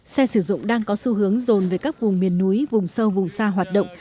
xe sử dụng đang có xu hướng rồn về các vùng miền núi vùng sâu vùng xa hoạt động